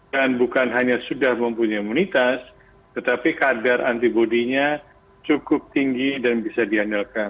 dan bukan hanya sudah mempunyai imunitas tetapi kadar antibody nya cukup tinggi dan bisa diandalkan